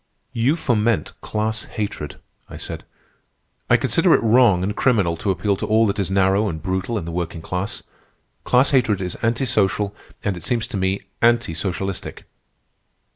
"You foment class hatred," I said. "I consider it wrong and criminal to appeal to all that is narrow and brutal in the working class. Class hatred is anti social, and, it seems to me, anti socialistic."